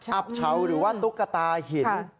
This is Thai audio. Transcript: อับเฉาหรือว่าตุ๊กตาหิน